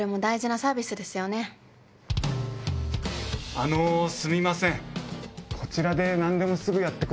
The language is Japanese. あのすみません。